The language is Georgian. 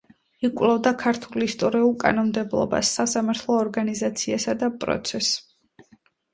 იკვლევდა ქართულ ისტორიულ კანონმდებლობას, სასამართლო ორგანიზაციასა და პროცესს.